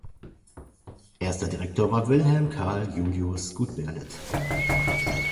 Erster Direktor war Wilhelm Karl Julius Gutberlet.